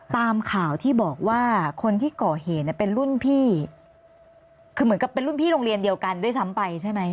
ตามข่าวที่บอกว่าคนที่ก่อเหตุเนี่ยเป็นรุ่นพี่คือเหมือนกับเป็นรุ่นพี่โรงเรียนเดียวกันด้วยซ้ำไปใช่ไหม